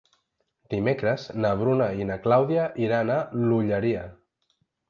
Dimecres na Bruna i na Clàudia aniran a l'Olleria.